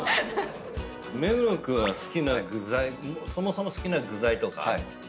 目黒君は好きな具材そもそも好きな具材とかある？